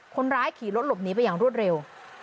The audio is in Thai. คนร้ายขี่รถหลบหนีไปอย่างรวดเร็ว